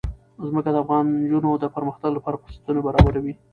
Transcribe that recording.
ځمکه د افغان نجونو د پرمختګ لپاره فرصتونه برابروي.